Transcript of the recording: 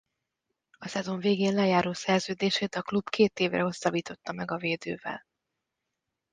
A szezon végén lejáró szerződését a klub két évre hosszabbította meg a védővel.